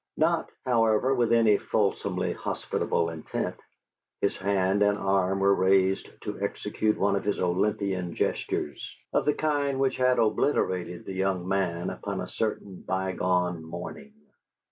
Not, however, with any fulsomely hospitable intent; his hand and arm were raised to execute one of his Olympian gestures, of the kind which had obliterated the young man upon a certain by gone morning.